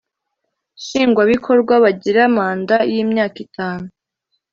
nshingwabikorwa bagira manda y imyaka itanu